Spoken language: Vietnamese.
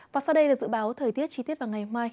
và sau đây là dự báo thời tiết chi tiết vào ngày mai